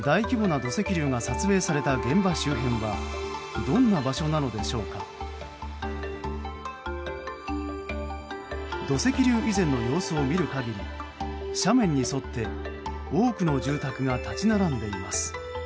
土石流以前の様子を見る限り斜面に沿って多くの住宅が立ち並んでいます。